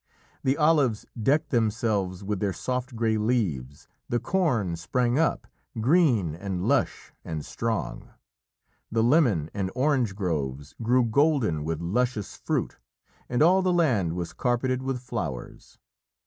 The olives decked themselves with their soft grey leaves, the corn sprang up, green and lush and strong. The lemon and orange groves grew golden with luscious fruit, and all the land was carpeted with flowers.